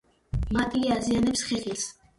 მატლი აზიანებს ხეხილს.